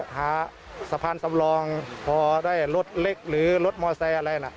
หาสะพานสำรองพอได้รถเล็กหรือรถมอไซค์อะไรนะ